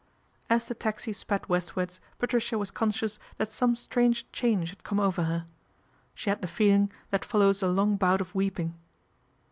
As the taxi sped westwards Patricia was con scious that some strange change had come over her. She had the feeling that follows a long bout of weeping.